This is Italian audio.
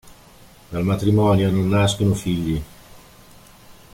Dal matrimonio non nascono figli.